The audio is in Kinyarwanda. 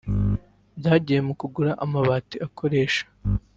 byagiye mu kugura amabati akoresha